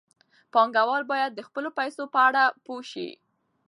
پانګوال باید د خپلو پیسو په اړه پوه شي.